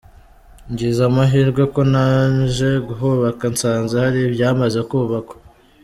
Ngize amahirwe ko ntaje kubaka, nsanze hari ibyamaze kubakwa.